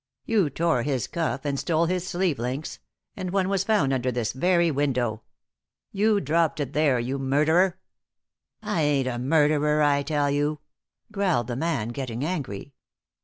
You tore his cuff and stole his sleeve links; and one was found under this very window. You dropped it there, you murderer!" "I ain't a murderer, I tell you," growled the man, getting angry.